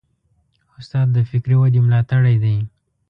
استاد د فکري ودې ملاتړی دی.